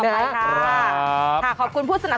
เจอหรือยังคนที่ใช่